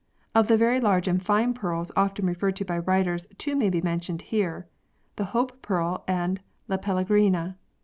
Of the very large and fine pearls often referred to by writers, two may be mentioned here, the Hope Pearl and La Pellegrina.